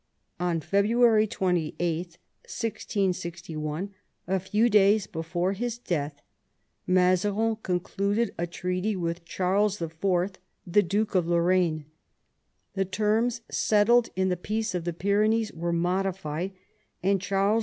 On February 28, 1661, a few days before his death, Mazarin concluded a treaty with Charles IV., the Duke of Lorraine. The terms settled in the Peace of the Pyrenees were modified, and Charles IV.